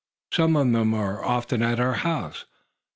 Some of them are often at our house.